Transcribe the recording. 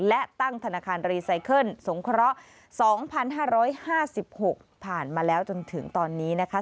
และตั้งธนาคารรีไซเคิลสงเคราะห์๒๕๕๖ผ่านมาแล้วจนถึงตอนนี้นะคะ